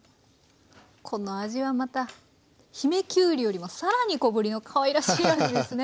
このあじはまた姫きゅうりよりも更に小ぶりのかわいらしいあじですね。